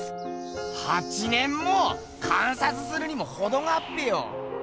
８年も⁉観察するにもほどがあっぺよ！